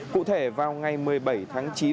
cụ thể vào ngày một mươi bảy tháng chín